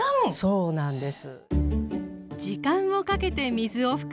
そうなんです。